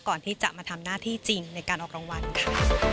ก่อนที่จะมาทำหน้าที่จริงในการออกรางวัลค่ะ